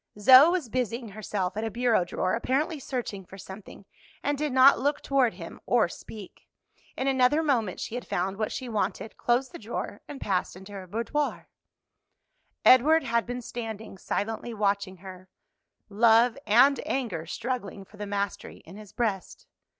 Zoe was busying herself at a bureau drawer, apparently searching for something, and did not look toward him or speak. In another moment she had found what she wanted, closed the drawer, and passed into her boudoir. Edward had been standing silently watching her, love and anger struggling for the mastery in his breast.